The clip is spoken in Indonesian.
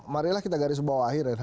marilah kita garis bawah akhir